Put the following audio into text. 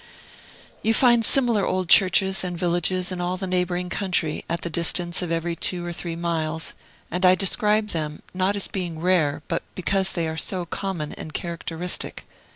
You find similar old churches and villages in all the neighboring country, at the distance of every two or three miles; and I describe them, not as being rare, but because they are so common and characteristic.